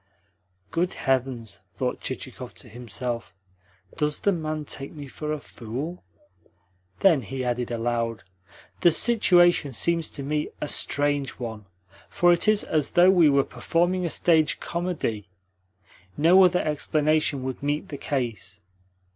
"Good heavens!" thought Chichikov to himself. "Does the man take me for a fool?" Then he added aloud: "The situation seems to me a strange one, for it is as though we were performing a stage comedy. No other explanation would meet the case.